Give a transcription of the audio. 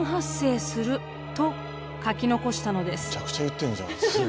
むちゃくちゃ言ってんじゃん。